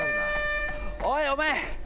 おいお前！